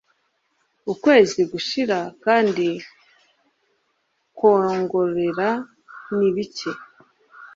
Ukwezi gushira kandi kwongorera ni bike